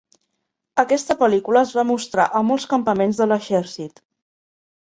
Aquesta pel·lícula es va mostrar a molts campaments de l'exèrcit.